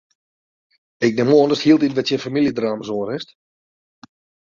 Ik nim oan datst hieltyd wer tsjin famyljedrama's oanrinst?